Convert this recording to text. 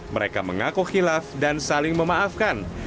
mereka mengaku hilaf dan saling memaafkan